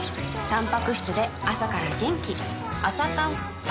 たんぱく質で朝から元気